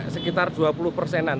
sekitar dua puluh persenan